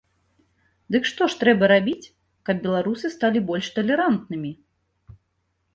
Дык што ж трэба рабіць, каб беларусы сталі больш талерантнымі?